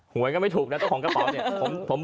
หัวก็ไม่ถูกแล้วต้องของกระเป๋าเนี่ยผมบ่งแล้ว